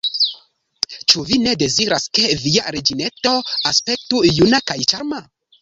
Ĉu Vi ne deziras, ke Via reĝineto aspektu juna kaj ĉarma?